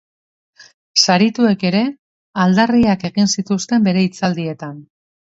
Sarituek ere aldarriak egin zituzten bere hitzaldietan.